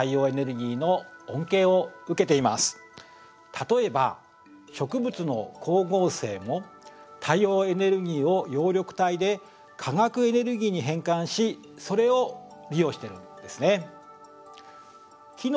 例えば植物の光合成も太陽エネルギーを葉緑体で化学エネルギーに変換しそれを利用しているんですね。